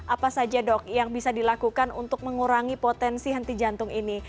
apa saja dok yang bisa dilakukan untuk mengurangi potensi henti jantung ini